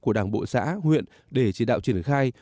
của đảng bộ xã huyện để chỉ đạo triển khai